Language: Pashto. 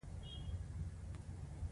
اوس پر سر ګنجۍ کېدونکی دی.